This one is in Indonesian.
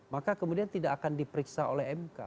maka kemudian tidak akan diperiksa oleh mk